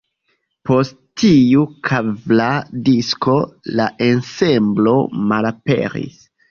Post tiu kvara disko la ensemblo malaperis.